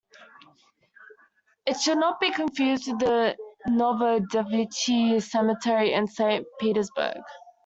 It should not be confused with the Novodevichy Cemetery in Saint Petersburg.